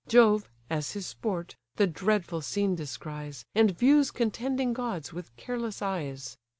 Jove, as his sport, the dreadful scene descries, And views contending gods with careless eyes.